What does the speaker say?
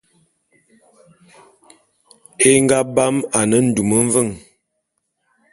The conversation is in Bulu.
É nga bam ane ndum mveng.